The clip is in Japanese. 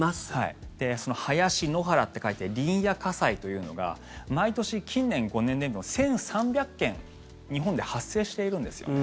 林、野原と書いて林野火災というのが毎年近年、５年でも１３００件日本で発生しているんですよね。